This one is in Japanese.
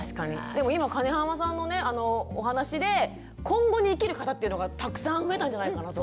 でも今金濱さんのお話で今後に生きる方っていうのがたくさん増えたんじゃないかなと。